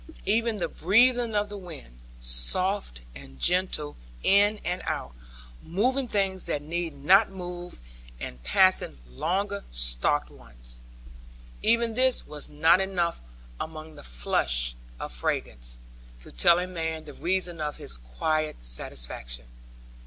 Even the breathing of the wind, soft and gentle in and out, moving things that need not move, and passing longer stalked ones, even this was not enough among the flush of fragrance, to tell a man the reason of his quiet satisfaction.